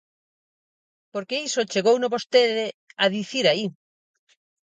Porque iso chegouno vostede a dicir aí.